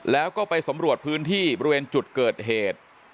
แล้วก็ไปสำรวจพื้นที่บริเวณจุดเกิดเหตุ